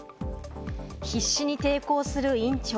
必死に抵抗する院長。